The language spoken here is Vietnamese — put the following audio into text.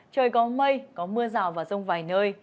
trời có mây có mưa rào và rông vài nơi